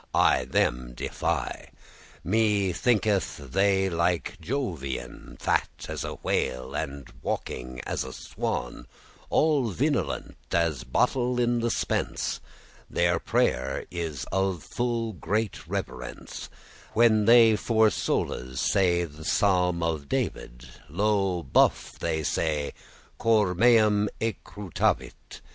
I them defy. Me thinketh they be like Jovinian,<15> Fat as a whale, and walking as a swan; All vinolent* as bottle in the spence; *full of wine store room Their prayer is of full great reverence; When they for soules say the Psalm of David, Lo, 'Buf' they say, Cor meum eructavit.